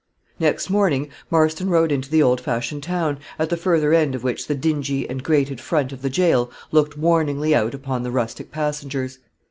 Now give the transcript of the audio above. Next morning, Marston rode into the old fashioned town, at the further end of which the dingy and grated front of the jail looked warningly out upon the rustic passengers.